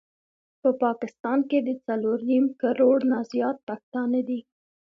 په پاکستان کي د څلور نيم کروړ نه زيات پښتانه دي